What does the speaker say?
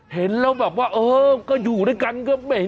เห็นแล้วแบบว่าเออก็อยู่ด้วยกันก็ไม่เห็น